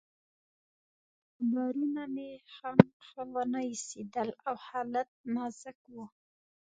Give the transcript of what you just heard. اخبارونه مې هم ښه ونه ایسېدل او حالت نازک و.